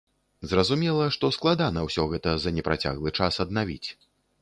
Зразумела, што складана ўсё гэта за непрацяглы час аднавіць.